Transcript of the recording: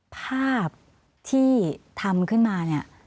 ภาพที่ทำขึ้นมา